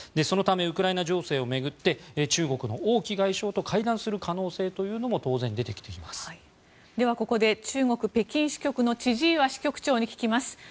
そのためウクライナ情勢を巡って中国の王毅外相と会談する可能性というのもでは、中国・北京支局の千々岩支局長に聞きます。